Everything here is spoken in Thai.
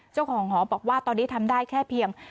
เจ้าของหอบอกว่าตอนนี้ทำได้แค่เพียง